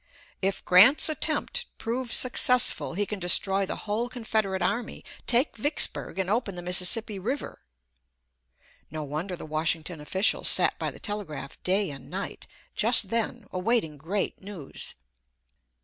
"If Grant's attempt prove successful he can destroy the whole Confederate army, take Vicksburg, and open the Mississippi River." No wonder the Washington officials sat by the telegraph day and night just then awaiting great news.